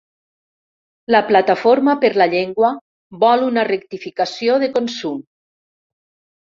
La Plataforma per la Llengua vol una rectificació de Consum